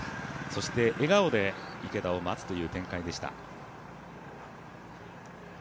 そして笑顔で池田を待つという展開でした。